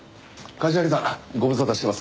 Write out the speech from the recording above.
柏木さんご無沙汰してます。